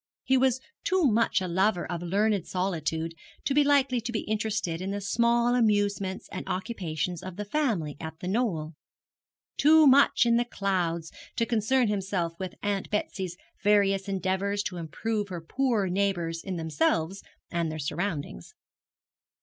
He was too much a lover of learned solitude to be likely to be interested in the small amusements and occupations of the family at The Knoll too much in the clouds to concern himself with Aunt Betsy's various endeavours to improve her poorer neighbours in themselves and their surroundings.